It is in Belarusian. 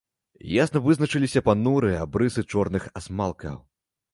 Ясна вызначыліся панурыя абрысы чорных асмалкаў.